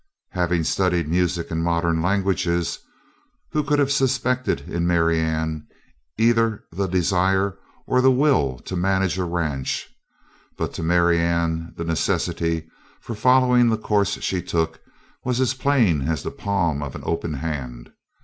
Having studied music and modern languages, who could have suspected in Marianne either the desire or the will to manage a ranch, but to Marianne the necessity for following the course she took was as plain as the palm of an open hand.